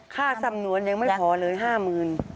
ค่าสำนวนยังไม่พอเลย๕หมื่น